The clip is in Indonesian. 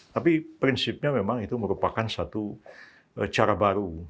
tapi prinsipnya memang itu merupakan satu cara baru